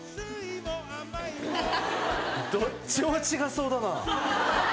どっちも違いそうだな